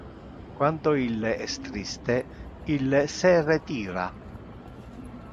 Quando ille es triste, ille se retira.